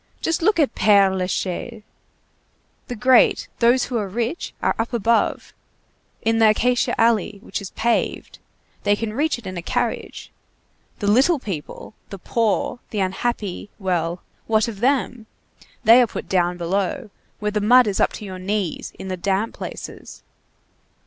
Just look at Père Lachaise! The great, those who are rich, are up above, in the acacia alley, which is paved. They can reach it in a carriage. The little people, the poor, the unhappy, well, what of them? they are put down below, where the mud is up to your knees, in the damp places.